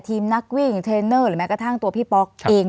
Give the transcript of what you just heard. ทีมนักวิ่งเทรนเนอร์หรือแม้กระทั่งตัวพี่ป๊อกเอง